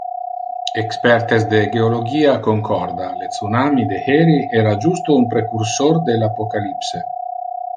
Expertes de geologia concorda: le tsunami de heri era justo un precursor del apocalypse.